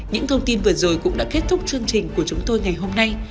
những thông tin vừa rồi cũng đã kết thúc chương trình của chúng tôi ngày hôm nay